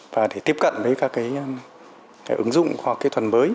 và để tiếp cận với các ứng dụng khoa học kỹ thuật mới